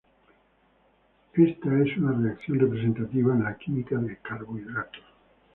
Ésta es una reacción representativa en la química de carbohidratos.